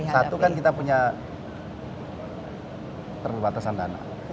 satu kan kita punya terbatasan dana